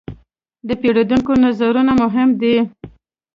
د پیرودونکو نظرونه مهم دي.